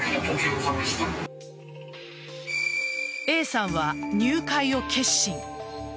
Ａさんは入会を決心。